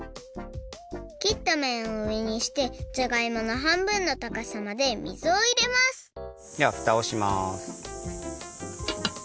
切っためんをうえにしてじゃがいものはんぶんのたかさまで水をいれますじゃあふたをします。